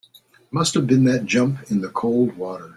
Must have been that jump in the cold water.